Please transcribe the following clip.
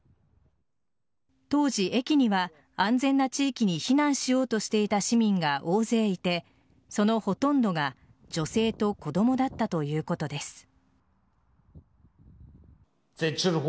当時、駅には安全な地域に避難しようとしていた市民が大勢いてそのほとんどが女性と子供だったということです。